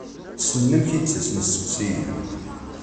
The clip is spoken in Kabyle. Ssnen amek i d-ttasen yisteqsiyen.